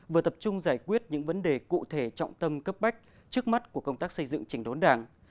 vừa tập trung giải quyết những vấn đề cụ thể trọng tâm cấp bách trước mắt của công tác xây dựng trình đốn đảng